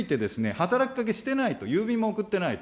働きかけをしてないと郵便も送ってないと。